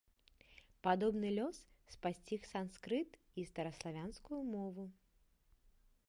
Падобны лёс спасціг санскрыт і стараславянскую мову.